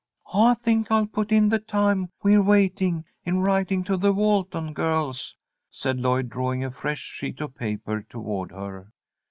"I think I'll put in the time we're waiting in writing to the Walton girls," said Lloyd, drawing a fresh sheet of paper toward her.